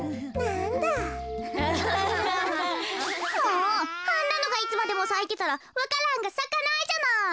あんなのがいつまでもさいてたらわか蘭がさかないじゃない。